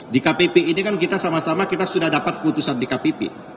di kpp ini kan kita sama sama kita sudah dapat putusan dkpp